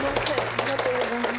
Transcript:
ありがとうございます。